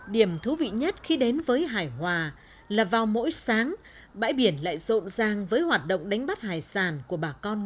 điểm thú vị nhất khi đến với hải hòa là vào mỗi sáng bãi biển lại rộn ràng với hoạt động đánh bắt hải sản của bà con ngư dân